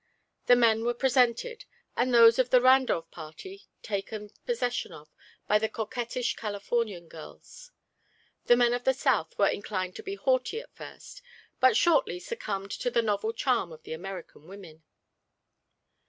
The men were presented, and those of the Randolph party taken prompt possession of by the coquettish Californian girls. The men of the South were inclined to be haughty at first, but shortly succumbed to the novel charm of the American women.